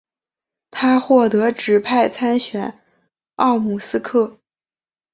他获得指派参选奥姆斯克。